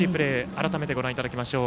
改めてご覧いただきましょう。